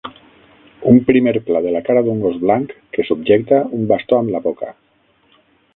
Un primer pla de la cara d'un gos blanc que subjecta un bastó amb la boca.